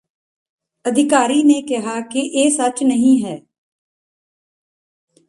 ਅਧਿਕਾਰੀ ਨੇ ਕਿਹਾ ਕਿ ਇਹ ਸੱਚ ਨਹੀਂ ਹੈ